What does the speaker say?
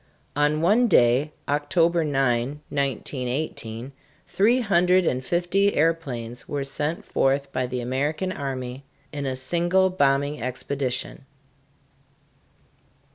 On one day, October 9, 1918, three hundred and fifty airplanes were sent forth by the American army in a single bombing expedition.